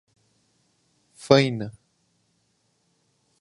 Faina